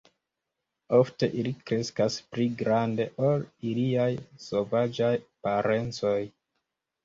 Ofte ili kreskas pli grande ol iliaj sovaĝaj parencoj.